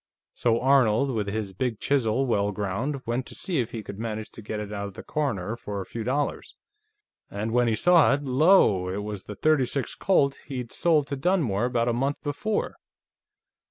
So Arnold, with his big chisel well ground, went to see if he could manage to get it out of the coroner for a few dollars. And when he saw it, lo! it was the .36 Colt that he'd sold to Dunmore about a month before."